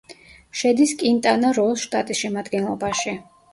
შედის კინტანა-როოს შტატის შემადგენლობაში.